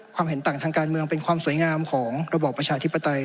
เห็นต่างทางการเมืองเป็นความสวยงามของระบอบประชาธิปไตย